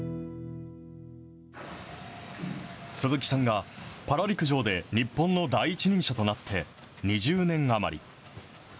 鈴木さんがパラ陸上で日本の第一人者となって２０年余り。